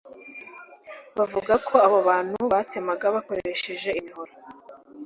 Bavuga ko abo bantu batemaga bakoresheje imihoro